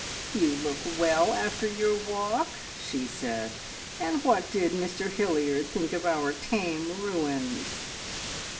"You look well after your walk," she said. "And what did Mr Hilliard think of our tame ruins?"